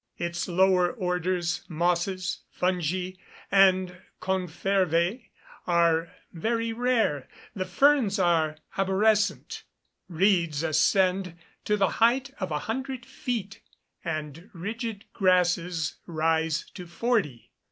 Its lower orders, mosses, fungi, and confervæ, are very rare. The ferns are aborescent. Reeds ascend to the height of a hundred feet, and rigid grasses rise to forty.